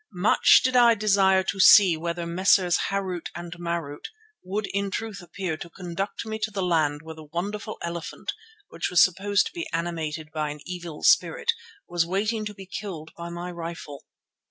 Much did I desire to see whether Messrs. Harût and Marût would in truth appear to conduct me to the land where the wonderful elephant which was supposed to be animated by an evil spirit was waiting to be killed by my rifle.